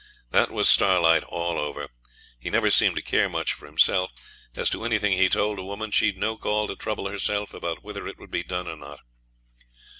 That was Starlight all over; he never seemed to care much for himself. As to anything he told a woman, she'd no call to trouble herself about whether it would be done or not.